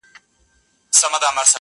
نه یوازي به دي دا احسان منمه.!